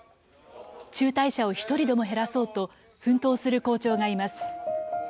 中退者を１人でも減らそうと奮闘する校長がいます。